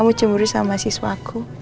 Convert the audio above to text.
kamu cemburu sama mahasiswaku